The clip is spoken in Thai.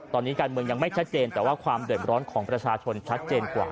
ตอนนี้การเมืองยังไม่ชัดเจนแต่ว่าความเดือดร้อนของประชาชนชัดเจนกว่า